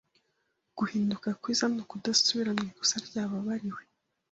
Guhinduka kwiza ni ukudasubira mu ikosa ryababariwe